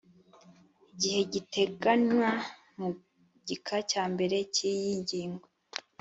gihe giteganywa mu gika cya mbere cy iyi nging